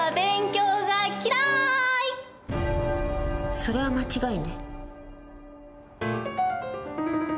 それは間違いね。